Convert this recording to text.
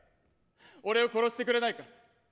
俺を殺してくれないか？